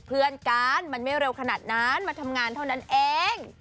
เพื่อนกันมันไม่เร็วขนาดนั้นมาทำงานเท่านั้นเอง